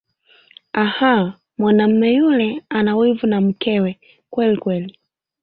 Ah Mwanamme yule anawivu na mkewe kwelikweli.